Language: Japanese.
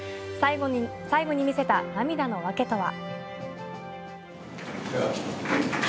最後に見せた涙の訳とは。